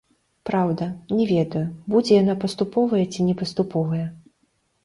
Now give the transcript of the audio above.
Праўда, не ведаю, будзе яна паступовая ці не паступовая.